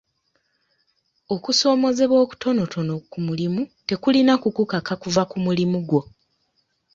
Okusoomoozebwa okutonotono ku mulimu tekulina kukukaka kuva ku mulimu gwo.